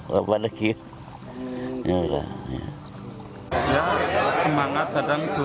semangat kadang jualannya itu